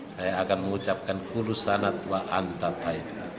saya akan mengucapkan kulus sanat bua anta toyib